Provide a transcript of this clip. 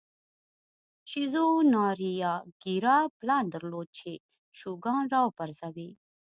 شیزو ناریاکیرا پلان درلود چې شوګان را وپرځوي.